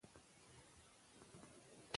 موږ د اضطراب په اړه خبرې کوو.